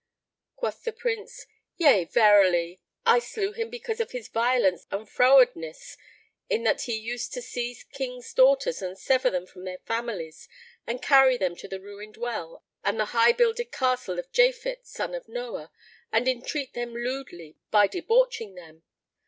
Quoth the Prince, "Yea, verily! I slew him because of his violence and frowardness, in that he used to seize Kings' daughters and sever them from their families and carry them to the Ruined Well and the High builded Castle of Japhet son of Noah and entreat them lewdly by debauching them.